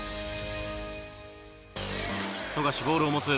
富樫ボールを持つ。